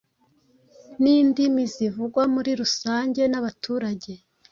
nindimi zivugwa muri rusange n’abaturage